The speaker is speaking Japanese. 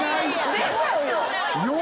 出ちゃうよ。